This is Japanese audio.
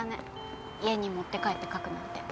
家に持って帰って描くなんて。